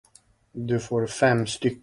Gatorna slingrar sig fram i Gamla Stan.